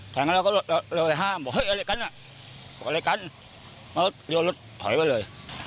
แทงอ่ะก็แล้วไห้ห้ามเบาะเฮ้ยอะไรกันฮะอะไรกันแล้วโยนลดถอยไว้เลย